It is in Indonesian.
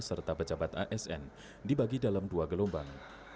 serta pejabat asn dibagi dalam dua gelombang